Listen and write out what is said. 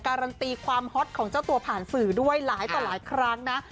การันตีความฮอตของเจ้าตัวผ่านสื่อด้วยหลายต่อหลายครั้งนะ